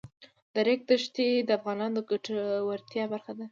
د ریګ دښتې د افغانانو د ګټورتیا برخه ده.